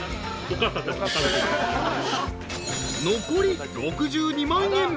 ［残り６２万円。